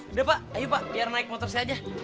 udah pak ayo pak biar naik motor saya aja